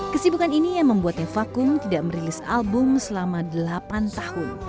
kesibukan ini yang membuatnya vakum tidak merilis album selama delapan tahun